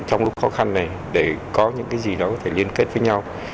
trong lúc khó khăn này để có những cái gì đó có thể liên kết với nhau